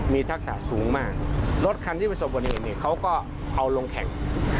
มีทักษะสูงมากรถคันที่เป็นสมบูรณีนี่เขาก็เอาลงแข่ง